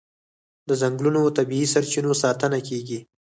د ځنګلونو او طبیعي سرچینو ساتنه کیږي.